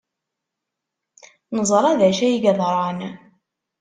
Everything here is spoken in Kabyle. Neẓra d acu ay yeḍran.